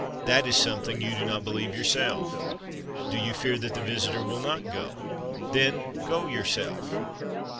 That is something you do not believe yourself. Do you fear that the visitor will not go? Then go yourself.